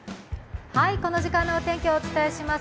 この時間のお天気をお伝えします。